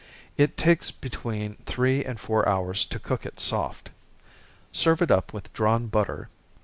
It takes between three and four hours to cook it soft serve it up with drawn butter.